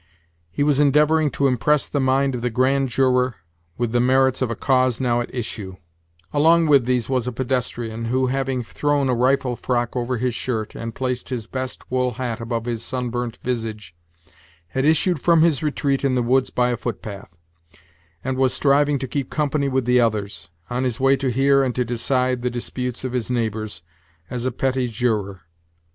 He was endeavoring to impress the mind of the grand juror with the merits of a cause now at issue, Along with these was a pedestrian, who, having thrown a rifle frock over his shirt, and placed his best wool hat above his sunburnt visage, had issued from his retreat in the woods by a footpath, and was striving to keep company with the others, on his way to hear and to decide the disputes of his neighbors, as a petit juror.